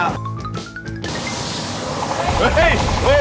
ขอบคุณครับ